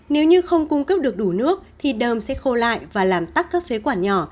nếu như không cung cấp được đủ nước thì đơm sẽ khô lại và làm tắt các phế quản nhỏ